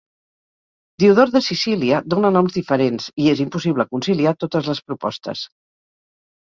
Diodor de Sicília dona noms diferents, i és impossible conciliar totes les propostes.